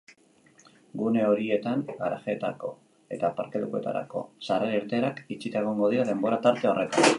Gune horietan garajeetarako eta aparkalekuetarako sarrera-irteerak itxita egongo dira denbora-tarte horretan.